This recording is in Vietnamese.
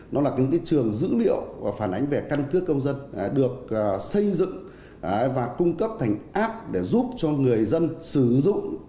nó là trường dữ liệu phản ánh về căn cước công dân được xây dựng và cung cấp thành app để giúp cho người dân sử dụng